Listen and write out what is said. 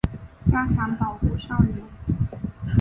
加强保护少年